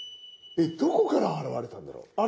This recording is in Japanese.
どこから現れたんだろう？